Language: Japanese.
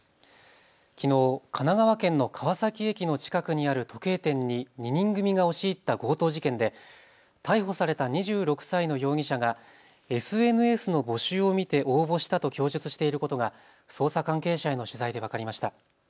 きのう神奈川県の川崎駅の近くにある時計店に２人組が押し入った強盗事件で逮捕された２６歳の容疑者がＳＮＳの募集を見て応募したと供述していることが捜査関係者への取材で分かりました。